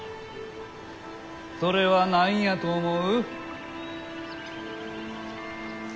それは何やと思う？